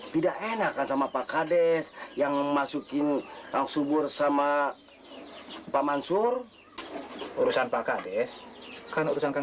tidak enakan sama pak kades yang memasuki langsung bersama pak mansur urusan pak kades kan urusan kan